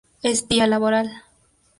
Es día laboral.